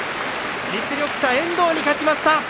実力者、遠藤に勝ちました。